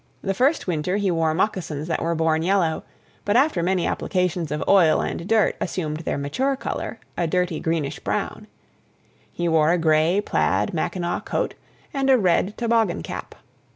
The first winter he wore moccasins that were born yellow, but after many applications of oil and dirt assumed their mature color, a dirty, greenish brown; he wore a gray plaid mackinaw coat, and a red toboggan cap.